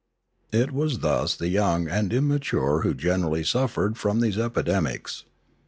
It was thus the young and immature who generally suffered from these epidemics.